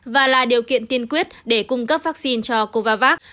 và là điều kiện tiên quyết để cung cấp vaccine cho covavavax